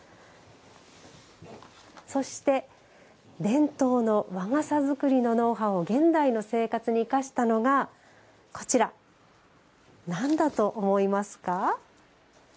そして、伝統の和傘作りのノウハウを現代の生活に生かしたのがこちら、なんだと思いますか？